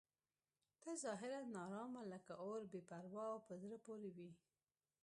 ته ظاهراً ناارامه لکه اور بې پروا او په زړه پورې وې.